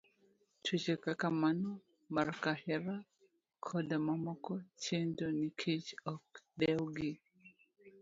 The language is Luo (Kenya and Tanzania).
Tuoche kaka mano mar kahera koda mamoko chendo nikech ok odew gi.